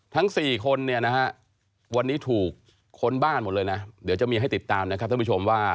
ทั้ง๔คนเนี่ยนะฮะวันนี้ถูกค้นบ้านหมดเลยนะเดี๋ยวจะมีให้ติดตามนะครับท่านผู้ชมว่า